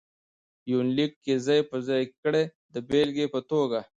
يونليک کې ځاى په ځاى کړي د بېلګې په توګه: